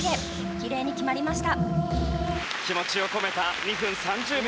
キレイに決まりました。